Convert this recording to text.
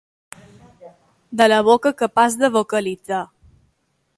De la boca capaç de vocalitzar.